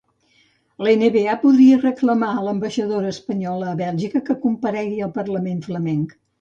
LN-VA podria reclamar a l'ambaixadora espanyola a Bèlgica que comparegui al parlament flamenc.